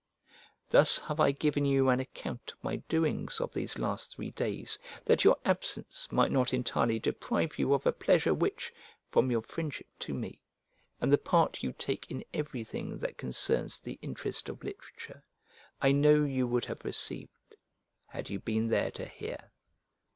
Thus have I given you an account of my doings of these last three days, that your absence might not entirely deprive you of a pleasure which, from your friendship to me, and the part you take in everything that concerns the interest of literature, I know you would have received, had you been there to hear.